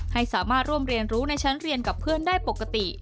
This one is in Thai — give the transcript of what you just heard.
ให้สามารถร่วมเรียนรู้ในชั้นเรียนกับเพื่อนได้ปกติ